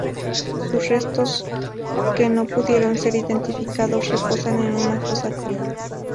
Sus restos, que no pudieron ser identificados, reposan en una fosa común.